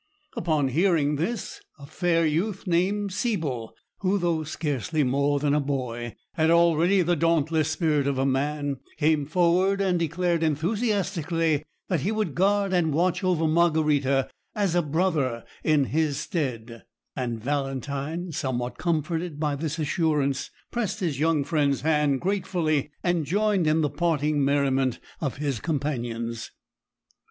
Upon hearing this, a fair youth named Siebel, who, though scarcely more than a boy, had already the dauntless spirit of a man, came forward and declared enthusiastically that he would guard and watch over Margarita as a brother, in his stead; and Valentine, somewhat comforted by this assurance, pressed his young friend's hand gratefully, and joined in the parting merriment of his companions.